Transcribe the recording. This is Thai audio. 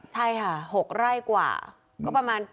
ใช่ค่ะ๖ไร่กว่าก็ประมาณ